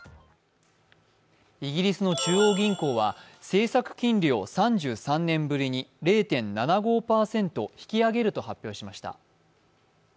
イギリスの中央銀行は政策金利を３３年ぶりに０．７５％引き上げると発表しました。